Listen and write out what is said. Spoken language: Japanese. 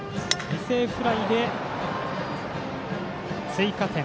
犠牲フライで追加点。